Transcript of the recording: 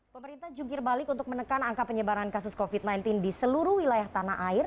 pemerintah jungkir balik untuk menekan angka penyebaran kasus covid sembilan belas di seluruh wilayah tanah air